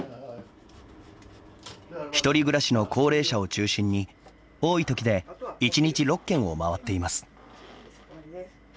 １人暮らしの高齢者を中心に多いときで１日６軒を回っています。